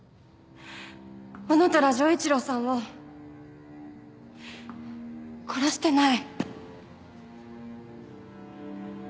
男虎丈一郎さんを殺してない。